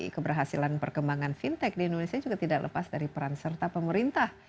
keberhasilan perkembangan fintech di indonesia juga tidak lepas dari peran serta pemerintah